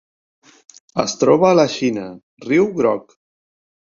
Es troba a la Xina: riu Groc.